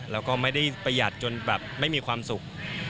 แล้วก็ไม่ได้ประหยัดจนแบบไม่มีความสุข